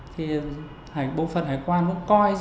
thì bộ phần hải quan cũng coi ra